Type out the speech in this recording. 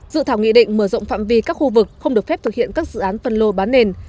dự thảo nghị định mở rộng phạm vi các khu vực không được phép thực hiện các dự án phân lô bán nền